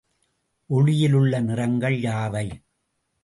ஒளியிலுள்ள நிறங்கள் யாவை?